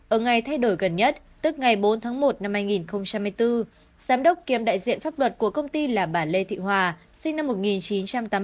ở ngày thay đổi gần nhất tức ngày bốn tháng một năm hai nghìn hai mươi bốn giám đốc kiêm đại diện pháp luật của công ty là bà lê thị hòa sinh năm một nghìn chín trăm tám mươi bốn